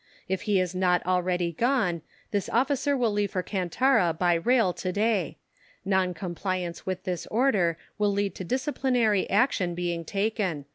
If he has not already gone, this officer will leave for Kantara by rail to day. Non compliance with this order will lead to disciplinary action being taken.